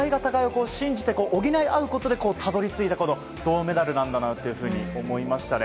補いあうことでたどり着いた銅メダルなんだなと思いましたね。